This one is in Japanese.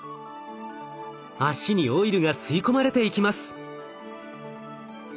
脚にオイルが吸い込まれていきます。